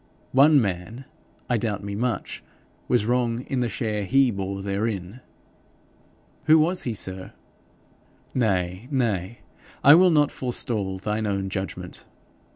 One man, I doubt me much, was wrong in the share HE bore therein.' 'Who was he, sir?' 'Nay, nay, I will not forestall thine own judgment.